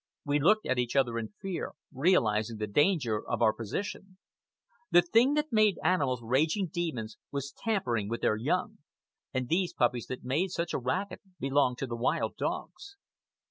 We looked at each other in fear, realizing the danger of our position. The one thing that made animals raging demons was tampering with their young. And these puppies that made such a racket belonged to the wild dogs.